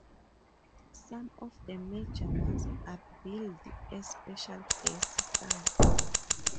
Some of the major ones are billed as special guest stars.